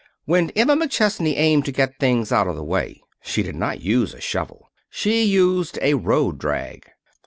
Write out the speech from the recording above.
When Emma McChesney aimed to get things out of the way she did not use a shovel; she used a road drag.